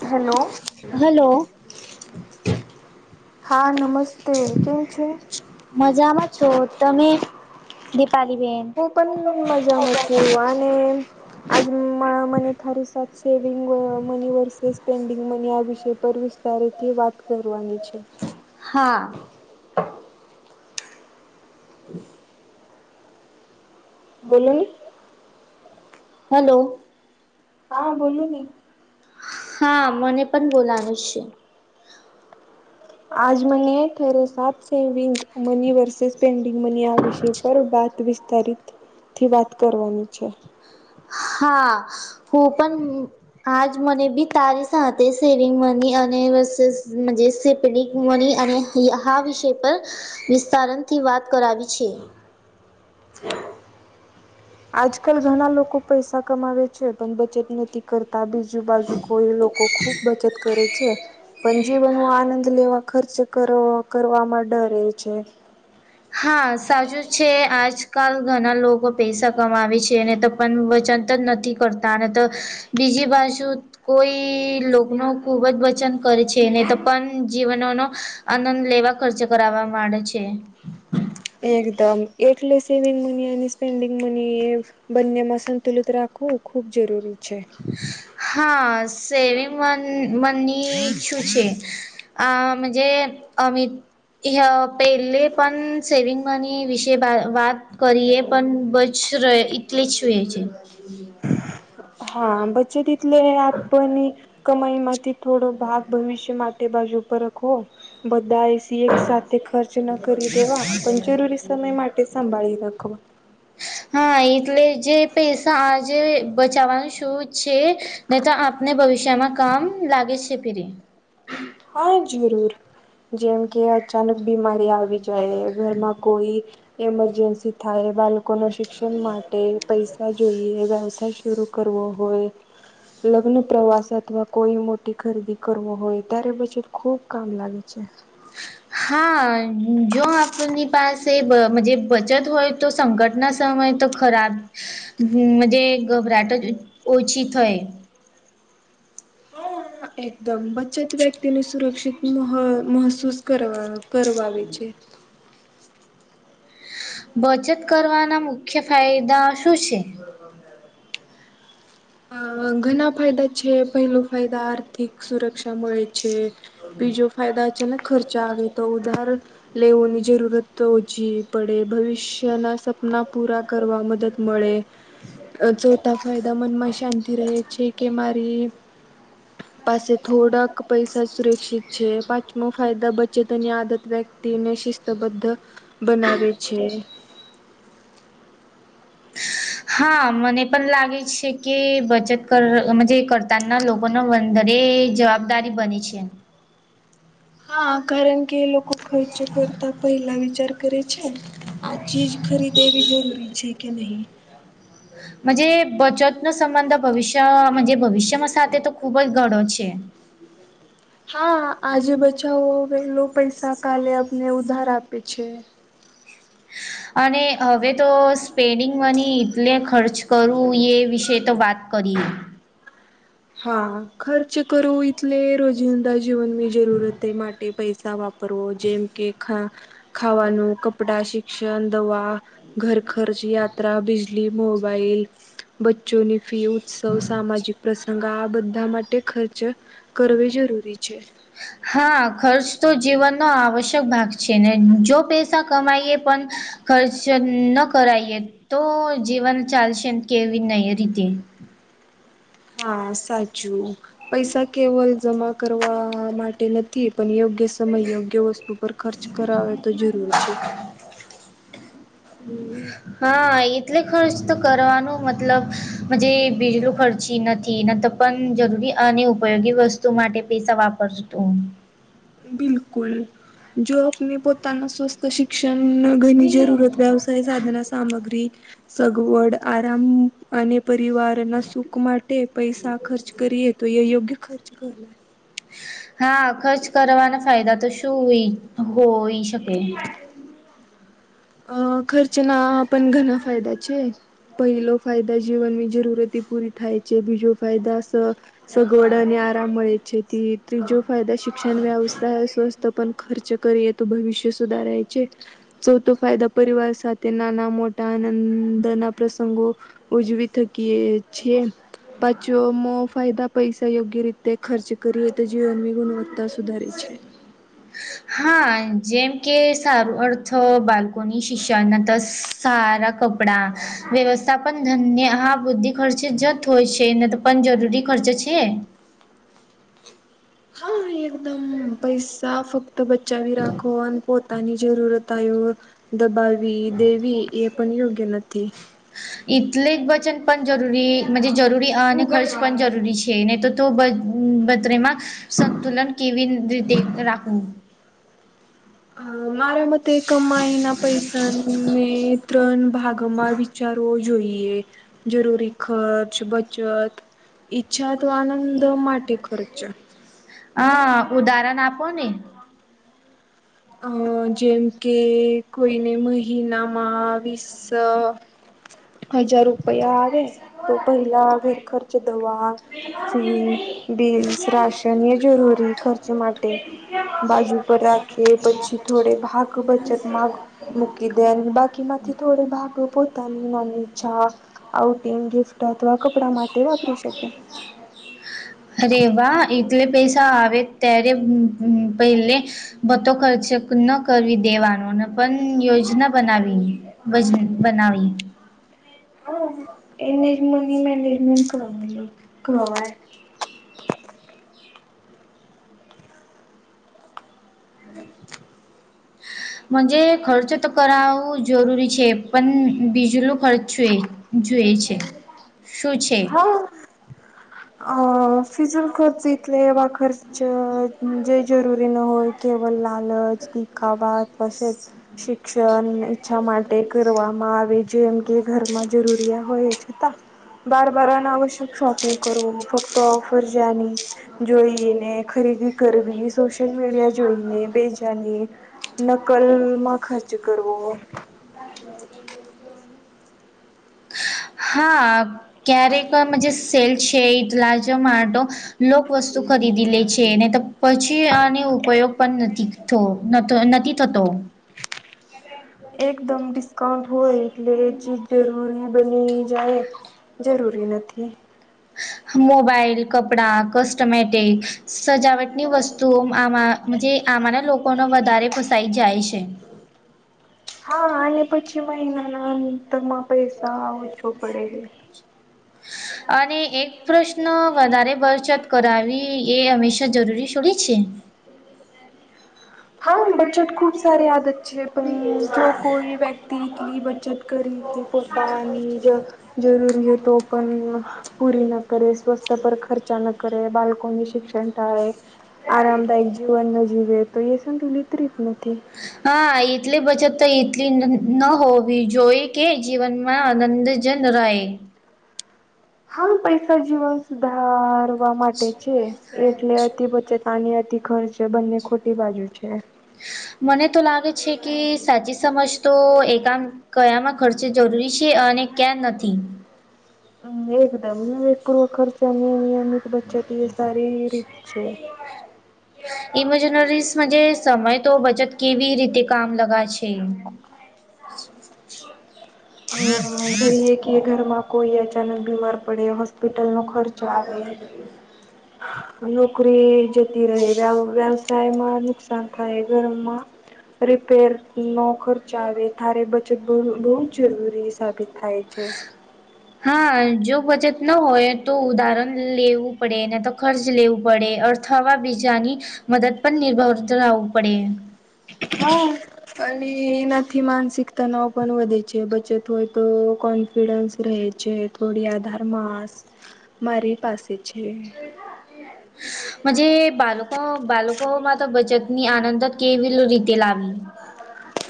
Hello. Hello. હા નમસ્તે કેમ છે? મજામાં છો તમે દીપાલી બેન. હું પણ મજામાં છું અને. આજ મ મને ફારી સા saving money versus spending money આ વિષય પર વિ તારેથી વાત કરવાની છે. હા. હ [inaudible] બોલ‌ઇ. હલો. હા બોલો ની હા મને પન બોલાવે છે. આજ મને થેરે સાત saving money versus pending money આ વિશે પર બાત વિસ્ તરિત થી વાત કરવાની છે. હા હું પન આજ મને બી તારી સાથે સેવિંગ મની અને વસેસ મજેસે પનિક મની અને ઇ હા વિષય પર વિસ્તારનથી વાત કરાવી છે. આજકલ ઘના લોકો પૈસા કમાવે છે પન બચત નથી કરતા બીજુ બાજુ કોય લોકો ખૂબ બચત કરે છે. પન જીવનનો આનંદ લેવા ખર્ચ કરવો કરવામાં ડરે છે. હા સાચું છે આજકાલ ઘના લોકો પૈસા કમાવે છે ને તો પન બચત જ નથી કરતા અને ત બીજી બાજુ કોઈ લોકનો ખૂબ જ બચન કરે છે નય ત પન જીવનોનો આનંદ લેવા ખર્ચ કરાવવા માંડે છે. એકદમ એટલે સેવિંગ મની અને સ્પેન્ડિંગ મની એ બંનેમાં સંતુલિત રાખવું ખૂબ જરૂરી છે. હા સેવિંગ મન મની છુ છે? આમ જે અમિત ઇહ પેલે પન સેવિંગ મની વિશે બાય વાત કરીએ પન બસ [unintelligible] હા બચત ઇટલે આપની કમાઈમાંથી થોડો ભાગ ભવિષ્ય માટે બાજુ પર રખો બધાયે થી એક સાથે ખર્ચ ન કરી દેવા પન જરૂરી સમય માટે સંભાળી રખવા. હા એટલે જે પૈસા આજે બચાવવાનું શું છે નય તો આપને ભવિષ્યમાં કામ લાગે છે ફીરી હા જુરૂર જેમ કે અચાનક બીમારી આવી જાય ઘરમા કોઈ એમરજન્સી થાય બાલકોને શિક્ષન માટે પૈસા જોઈએ વ્યાવસાય શુરૂ કરવો હોય. લગ્ન પ્રવાસ અથવા કોઈ મોટી ખરીદી કરવો હોય. ત્યારે બચત ખુબ કામ લાગે છે. હા જો આપની પાસે બ મ જે બચત હોય તો સંકટના સમય તો ખરાબ મજે ગબરાટ જ ઓછી થય હા એકદમ બચત વ્યક્તિને સુરક્ષિત મહ મહસૂસ કરવાવે કરવાવેે છે. બચત કરવાના મુખ્ય ફાયદા શું શે? હા ઘના ફાયદા છે પહેલો ફાયદા આર્થિક સુરક્ષા મળે છે. બીજો ફાયદા અચાનક ખર્ચા આવે તો ઉધાર લેવોની જરૂરત તો ઓછી પડે ભવિષ્યના સપના પૂરા કરવા મદદ મળે અ ચોતા ફાયદા મનમાં શાંતિ રહે છે કે મારી પાસે થોડાક પૈસા સુરક્ષિત છે. પાંચમો ફાયદા બચતની આદત વ્યક તીને શિસ્તબદ્ધ બનાવે છે. હા મને પન લાગે છે કે બચત કર અ મજે કરતાનના લોકોનો વંદરે જવાબ દારી બની છે. હા કારણ કે લોકો ખર્ચ કરતા પહેલા વિચાર કરે છે આ ચીજ ખરીદેવી જરૂરી છે કે નહી. મજે બચતનો સંબંધ તો ભવિષ્ય માં જે ભવિષ્યમાં સાથે તો ખૂબ જ ઘનો છે. હા આજે બચાવો પેલો પૈસા કાલે અને ઉધાર આપે છે. . અને હવે તો સ્પેન્ડિંગ મની એટલે ખર્ચ કરવું એ વિશે તો વાત કરીએ. હા ખર્ચ કરું ટલે રોજિંદા જીવન મી જરૂરત એ માટે પૈસા વાપર વ જેમ કે ખાવાનું કપડા શિક્ષણ દવા ઘર ખર્ચ યાત્રા બિજલી મોબાઈલ બચ્ચોની ફી ઉત્સવ સામાજિક પ્ર. આ બધા માટે ખર્ચ કરવી જરૂરી છે. હા ખર્ચ તો જીવનનો આવશ્યક ભાગ છે ને જો પૈસા કમાઈએ પણ ખર્ચ ન કરાયએ તો જીવન ચાલશે કેવી ન રીતે હા સાચું. પૈસા કેવલ જમા કરવા માટે નથી પણ યોગ્ય સમયયોગ્ય વસ્તુ પર ખર્ચ કરાવે તો જરૂર છે. હા એટલે ખર્ચ તો કરવાનો મ મતલબ વીજલું ખર્ચી નથી. પણ જરૂરી અને ઉપયોગી વસ્તુ માટે પૈસા વાપરશું તો-' બિલકુલ જો આપને પોતાના સ્વસ્થ શિક્ષણ ઘની જરૂરત વ સાધના સામગ્રી સગવડ આરામ. અને પરિવારના સુખ માટે પૈસા ખર્ચ કરીએ તો એ યોગ્ય ખર્ચ કર લાવે. હા ખર્ચ કરવાના ફાયદા તો શું હોય શકે. અ ખર્ચના પણ ઘણા ફાયદા છે. પહેલો ફાયદા જીવનની જરૂરતી પૂરી થાાય છે બીજો ફાયદા અ સગવડ અને આરામ મળે છે તે ત્રીજ. ો ફાયદા શિક્ષણ વ્યવસાય સ્વસ્થ પણ ખર્ચ કરી એ તોું ભવિષ્ય સુધારાય છે. ચૌથો ફાયદા પરિવાર સાથે નાના મોટા આનંદના પ્રસંગો ઉજવી થકીએ છેી પાછો મો ફાયદા પૈસા યોગ્ય રીતે તે ખર્ચ કરીએ તો જીવનની ગુણવત્તા સુધારે છે. હા જેમ કે સારું અર્થ બાળકોની શિક્ષાના ત સારા કપડા વ્યવસ્થાપન ધન્ય હા બુદ્ધિ ખર્ચે જત હોય છે. પણ જરૂરી ખર્ચ છે. હા એકદમ પૈસા ફક્ત બચાવી રાખો અને પોતે પોતાની જરૂરતા દબાવી દેવી એ પણ યોગ્ય નથી. એટલેક વચન પણ જરૂરી જરૂરી આ અને ખર્ચ પણ જરૂરી છે નહીં તો તો બતમાં સંતુલન કેવી રીતે રાખવું. હ મારા મતે કમાઈ ના પૈસા ને ત્રણ ભાગમાં વિચારવો જોઈએ. જરૂરી ખર્ચ બચત. ઈચ્છા તો આનંદ માટે ખર્ચો. હ ઉદાહરણ આપો ને અ જેમ કે કોઈને મહિનામાં વિસ હજારું રૂપયા આવે તો પહેલા ઘર ખર્ચ દવા ફી બિલસ રાશન જરૂરી ખર્ચ માટે બાજુ પર રાખી એ પછી થોડે અરે ભાગ બચત મામાંગ મૂકી દે. બાકીમાંથી થોડે ભાગ પોતાની નાની ા આંગ ગિફ્ટ અથવા કપડા માટે વાપરી શકે. અરે. વાહ એક. એટલે પૈસા આવે ત્યારે પહેલે બતો ખર્ચેક ન કરવી દેવાનો ને પણ યોજના બનાવી બજ બનાવીએ. હા એનેજ મ મેનેજમેન્ટ કર કરવા. મજ ખર્ચ તો કરાવું જરૂરી છે પણ બીજુંલો ખર્ચ છું એ. જોુઈ છે શું છે હ હ [unintelligible] ફિઝલ ખર્ચટલે વા ખર્ચ જે જરૂરી ન હોય કેવલ લલચ દ કાવાશે શિક્ષણ ઈચ્છા માટે કરવામાં આવે જેમ કે ઘરમાં જરૂરિયા હોય છતાં બારબારને આવશ્યક શોપિંગ કરવું ફક્ત ઓફર જની જોઈને ખરીદી કરવી સોશિયલ મીડિયા જોઈને બેજાની નકલ માં ખર્ચ કરવો [inaudible] હા ક્યારેક સેલ્સ એલાજ માો લોક વસ્તુ ખરીદી લે છેને પછી ઉપયોગ પણ નથી નથી થતો એકદમ ડિસ્કાઉન્ટ હોય એટલે એ ચીજ જરૂરી બની જાય જરૂરી નથી મોબાઈલ કપડા કસ્ટમેટિક સજાવટની વસ્તુઓ આમાં જે આમાંને લોકોને વધારે ફસાઈ જાય છે હા અને પછી મહિનાના અંતરમાં પૈસા ઓછો પડે અને એક પ્રશ્ન વધારે બરચત કરાવી એ હંમેશા જરૂરી છોડીી છે હા બજટ ખૂબ સાર આદત છે પણ જો કોઈ વ્યક્ તટલી બચત કરી કે પોતાની જ જરૂરી તો પણ પૂરી ન કરે સ્વસ્થ પર ખર્ચા ન કરે બાલકોની શિક્ષણ ટાળે આરામદાયક જીવન ન જીવે તો એ સંતુલિત ર જ નથી હા એટલી બચત તો એટલી ન હોવી જોઈ કે જીવનમાં આનંદ જનરાય હા પૈસા જીવન સુધાર વા માટે છે એટલે અતિ બચત આની અતિ ખર્ચ બંને ખોટી બાજુ છે મને તો લાગે છે કે સાચી સમજ તો એકા કયામાં ખર્ચે જરૂરી છે અને ક્યાં નથી મ એકદમ વ પૂર્વ ખર્ચાની એ નિયમિત બચત એ સારી રીત છે ઇમેજનરીસ સમય તો બચત કેવી રીતે કામ લગા છે [inaudible] હ દરીએ કે ઘરમાં કોઈ અચાનક બીમાર પડે હોસ્પિટલ ન ખર્ચ આવે નોકરી જતી રહે વવ નુકસાન થાય ગરમમાં રિપેર નો ખર્ચ આવે તારે બહુ જ જરૂરી સાબિત થાય છે હા જો બચત ન હોય તો ઉદાહરણ લેવું પડે ને તો ખર્ચ લેવું પડે અર્થ અથવા બીજાની મદદ પણ નિર્ભર લવું પડે હા અને એનાથી માનસિક તનાવ પણ વધે છે બચત હોય તો કોન્ફિડન્સ રહે થોડીયાધાર માસ મારી પાસે છે હ [unintelligible] હ [unintelligible] જ બાકો બાળકોમાં તો બચતની આનંદ જ કેવી રીતે લાવી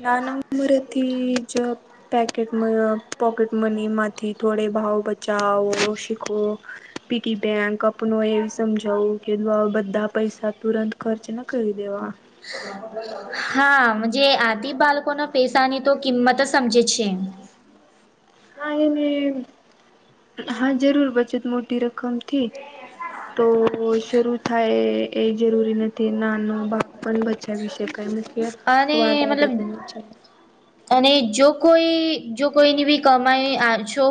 નાન ઉમર હતી જપ પેકેટ પોકેટ મની માંથી થોડે ભાવ બચાવો શીખવો પીટી બેકપ આપનું એવી સમજાવું કે બધા પૈસા તુરંત ખર્ચ ના કરી દેવા તમા બ હા જે આથી બાળકોના પૈસાની તો કિંમત જ સમજે છે હા એને હા જરૂર બચત મોટી રકમ થી તો શરૂ થાય એ જરૂરી નથી નાનો બાપ પણ બચે અભિષેક કાઇ મુકે અને વાત આદત મતલબ ની છે અને જો કોઈ જો કોઈની બી કમાઈ આપશો હો